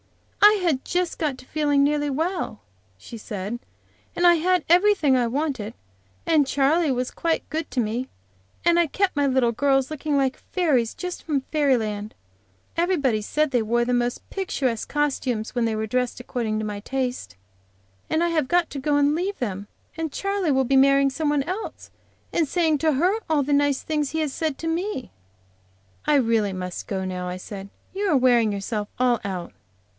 "I had just got to feeling nearly well," she said, "and I had everything I wanted, and Charley was quite good to me, and I kept my little girls looking like fairies, just from fairy land. Everybody said they wore the most picturesque costumes when they were dressed according to my taste. And I have got to go and leave them, and Charley will be marrying somebody else, and saying to her all the nice things he has said to me." "I really must go now," I said. "You are wearing yourself all out."